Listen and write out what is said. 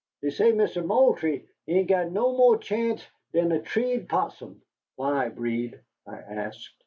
Dey say Mister Moultrie ain't got no mo' chance dan a treed 'possum." "Why, Breed?" I asked.